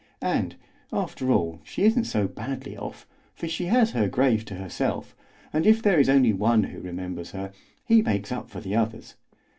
And, after all, she isn't so badly off, for she has her grave to herself, and if there is only one who remembers her, he makes up for the others.